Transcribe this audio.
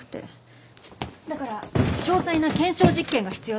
だから詳細な検証実験が必要だと。